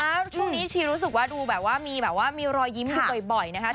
แล้วช่วงนี้ชีรู้สึกว่าดูแบบว่ามีแบบว่ามีรอยยิ้มอยู่บ่อยนะคะ